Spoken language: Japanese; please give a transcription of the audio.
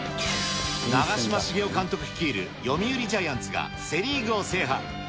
長嶋茂雄監督率いる読売ジャイアンツがセ・リーグを制覇。